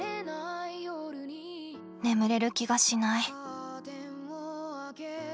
眠れる気がしない。